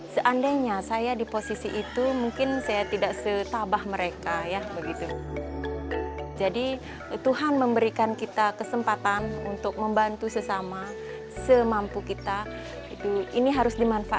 semampu kita ini harus dimanfaatkan untuk membuat kita lebih baik